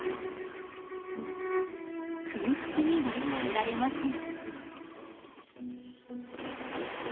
空腹には耐えられません。